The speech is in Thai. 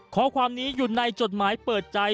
ข้อความนี้อยู่ในจดหมายเปิดใจ